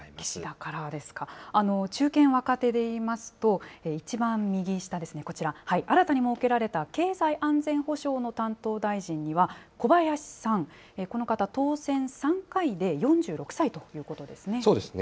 中堅・若手で言いますと、一番右下ですね、こちら、新たに設けられた経済安全保障の担当大臣には、小林さん、この方、当選３回で、４６歳ということですね。